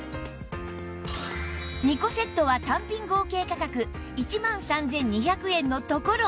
２個セットは単品合計価格１万３２００円のところ